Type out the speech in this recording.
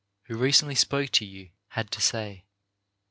who recently spoke to you, had to say.